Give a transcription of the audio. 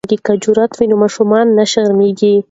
که جرات وي نو ماشوم نه شرمیږي.